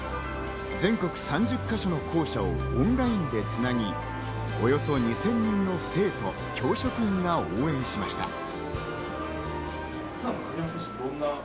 全国３０か所の校舎をオンラインでつなぎ、およそ２０００人の生徒、教職員が応援しました。